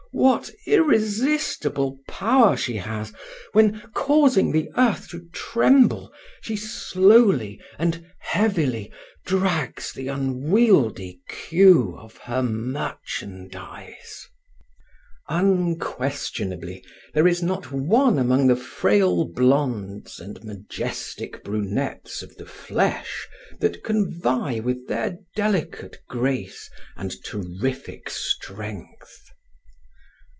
What irresistible power she has when, causing the earth to tremble, she slowly and heavily drags the unwieldy queue of her merchandise! Unquestionably, there is not one among the frail blondes and majestic brunettes of the flesh that can vie with their delicate grace and terrific strength.